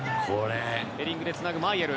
ヘディングでつなぐマイェル。